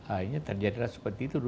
akhirnya terjadilah seperti itu